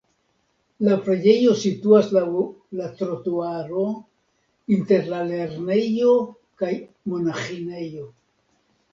La preĝejo situas laŭ la trotuaro inter la lernejo kaj monaĥinejo.